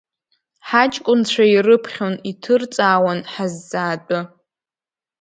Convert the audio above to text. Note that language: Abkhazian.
Ҳаҷкәынцәа ирыԥхьон, иҭырҵаауан ҳазҵаатәы.